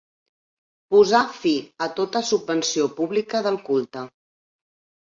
Posà fi a tota subvenció pública del culte.